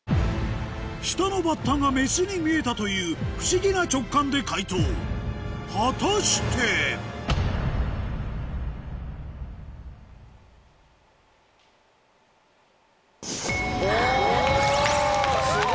下のバッタがメスに見えたという不思議な直感で解答果たして⁉おぉ！